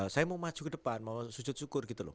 saya mau maju ke depan mau sujud syukur gitu loh